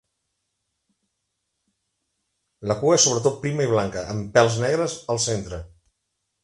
La cua és sobretot prima i blanca, amb pèls negres al centre.